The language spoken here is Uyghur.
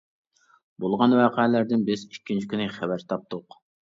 بولغان ۋەقەلەردىن بىز ئىككىنچى كۈنى خەۋەر تاپتۇق.